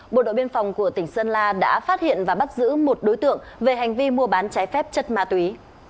bộ đội biên phòng của tỉnh sơn la đã phát hiện và bắt giữ một đối tượng về hành vi mua bán trái phép chất ma túy